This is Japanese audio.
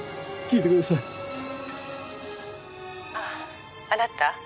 「あああなた